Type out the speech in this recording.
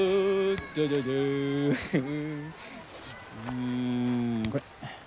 うんこれ。